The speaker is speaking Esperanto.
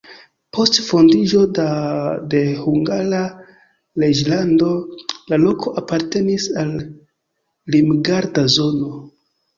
Post fondiĝo de Hungara reĝlando la loko apartenis al limgarda zono.